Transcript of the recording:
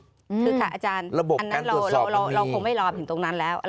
คือค่ะอาจารย์อันนั้นเราคงไม่ลามถึงตรงนั้นแล้ว